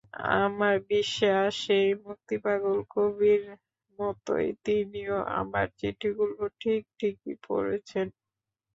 আমার বিশ্বাস, সেই মুক্তিপাগল কবির মতোই তিনিও আমার চিঠিগুলো ঠিক ঠিকই পড়েছেন।